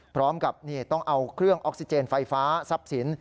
พร้อมกับต้องเอาเครื่องออกซิเจนไฟฟ้าทรัพย์สิน